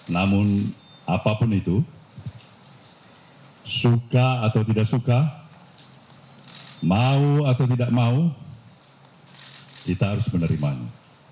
namun apapun itu suka atau tidak suka mau atau tidak mau kita harus menerimanya